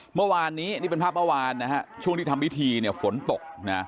เมื่อวานนี้นี่เป็นภาพเมื่อวานช่วงที่ทำพิธีฝนตก